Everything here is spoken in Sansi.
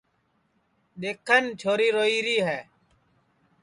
دؔیکھن چھوری روئیری ہے